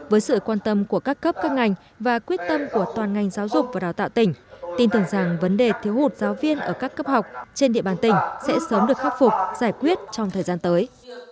với sự quan tâm của các cấp các ngành và quyết tâm của toàn ngành giáo dục và đào tạo tỉnh tin tưởng rằng vấn đề thiếu hụt giáo viên ở các cấp học trên địa bàn tỉnh sẽ sớm được khắc phục giải quyết trong thời gian tới